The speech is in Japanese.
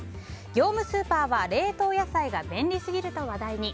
業務スーパーは冷凍野菜が便利すぎると話題に。